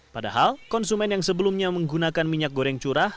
padahal konsumen yang sebelumnya menggunakan minyak goreng curah